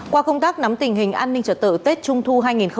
qua công tác nắm tình hình an ninh trật tự tết trung thu hai nghìn hai mươi một